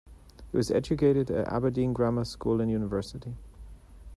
He was educated at Aberdeen grammar school and university.